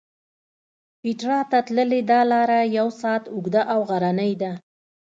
پېټرا ته تللې دا لاره یو ساعت اوږده او غرنۍ ده.